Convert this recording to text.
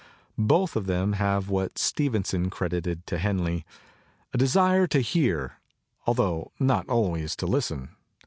Both of them have what Stevenson credited to Henley, "a desire to hear, altho not always to listen."